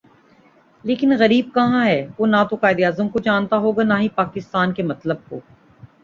لیکن غریب کہاں ہے وہ نہ توقائد اعظم کو جانتا ہوگا نا ہی پاکستان کے مطلب کو